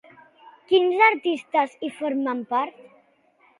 Quins artistes hi formen part?